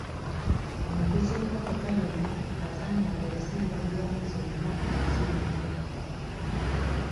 Omuvuzi w'emmotoka yenna asaanye akozese endabirwamu zonna eziri ku mmotoka.